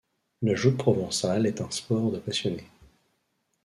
La Joute provençale est un sport de passionnés.